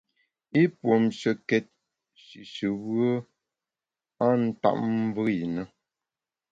I puomshekét shishùbùe a ntap mvùe i na.